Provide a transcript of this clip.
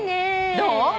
どう？